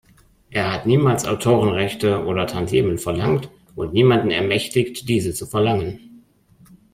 Er hat niemals Autorenrechte oder Tantiemen verlangt und niemanden ermächtigt, diese zu verlangen.